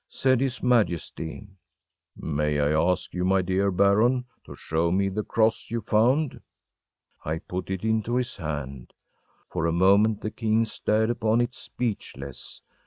Said his Majesty: “May I ask you, my dear Baron, to show me the cross you found?‚ÄĚ I put it into his hand. For a moment the king stared upon it speechless.